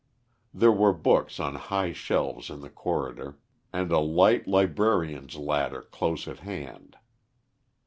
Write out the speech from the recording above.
There were books on high shelves in the corridor, and a light librarian's ladder close at hand.